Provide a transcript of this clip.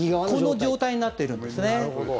この状態になっているんですね。